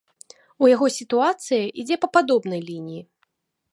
У яго сітуацыя ідзе па падобнай лініі.